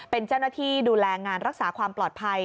เป็นเจ้าหน้าที่ดูแลงานรักษาความปลอดภัย